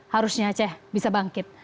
harusnya aceh bisa bangkit